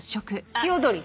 ヒヨドリ。